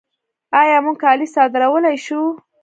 آیا موږ کالي صادرولی شو؟